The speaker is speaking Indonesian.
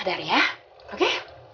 sadar ya oke